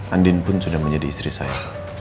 andin pun sudah menjadi istri saya